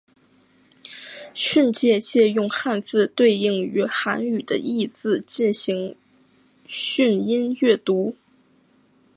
训借借用汉字对应于韩语的意字进行训音阅读。